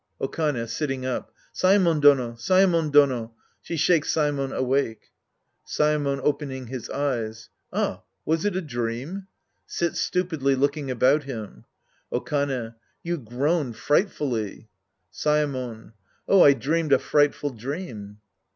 Okane {sitting up). Saemon Dono ! Saemon Done ! {She shakes Saemon awake ^ Saemon {opening his eyes). Ah, was it a dream ? {Sits stupidly looking about him.) Okane. You groaned frightfully. Saemon. Ah, I dreamed a frightful dream.